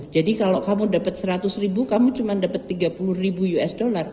jadi kalau kamu dapat seratus ribu kamu cuma dapat tiga puluh ribu usd